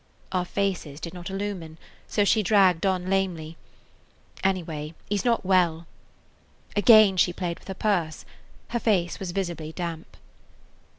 Our faces did not illumine, so she dragged on lamely, "Anyway, he 's not well." Again she played with her purse. Her face was visibly damp.